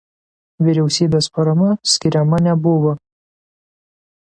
Vyriausybės parama skiriama nebuvo.